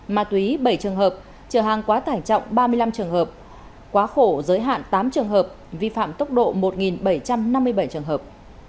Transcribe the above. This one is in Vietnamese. ma túy bảy trường hợp trở hàng quá tải trọng ba mươi năm trường hợp quá khổ giới hạn tám trường hợp vi phạm tốc độ một bảy trăm năm mươi bảy trường hợp